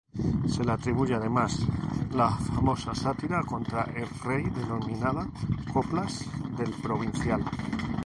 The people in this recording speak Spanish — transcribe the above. Se le atribuye además la famosa sátira contra el rey denominada "Coplas del provincial".